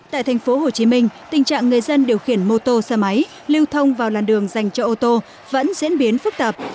tại tp hcm tình trạng người dân điều khiển mô tô xe máy lưu thông vào làn đường dành cho ô tô vẫn diễn biến phức tạp